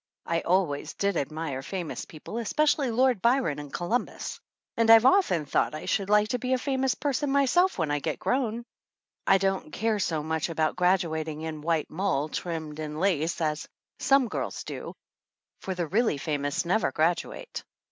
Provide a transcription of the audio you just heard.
I always did admire famous people, espe cially Lord Byron and Columbus. And I've often thought I should like to be a famous person myself when I get grown. I don't care so much about graduating in white mull, trimmed in lace, as some girls do, for the really famous never graduate.